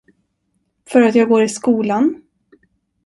För att jag går i skolan.